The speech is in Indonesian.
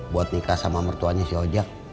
buat nikah sama mertuanya si ojek